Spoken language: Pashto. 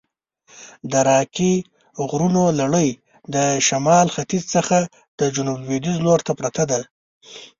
د راکي غرونو لړي د شمال ختیځ څخه د جنوب لویدیځ لورته پرته ده.